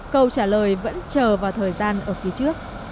câu trả lời vẫn chờ vào thời gian ưu